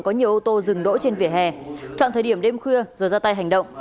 có nhiều ô tô dừng đỗ trên vỉa hè chọn thời điểm đêm khuya rồi ra tay hành động